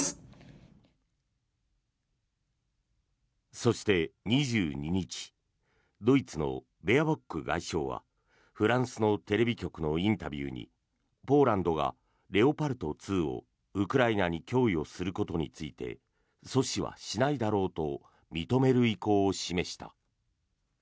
そして、２２日ドイツのベアボック外相はフランスのテレビ局のインタビューにポーランドがレオパルト２をウクライナに供与することについて阻止はしないだろうと認める意向を示した。